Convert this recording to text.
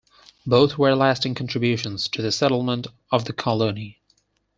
Both were lasting contributions to the settlement of the colony.